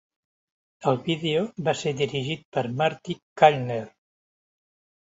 El vídeo va ser dirigit per Marty Callner.